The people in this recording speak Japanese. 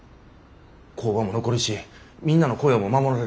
工場も残るしみんなの雇用も守られる。